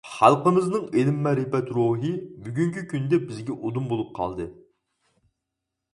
خەلقىمىزنىڭ ئىلىم-مەرىپەت روھى بۈگۈنكى كۈندە بىزگە ئۇدۇم بولۇپ قالدى.